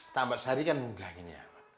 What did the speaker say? tambak sari kan munggahin ya